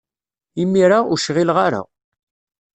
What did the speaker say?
Imir-a, ur cɣileɣ ara.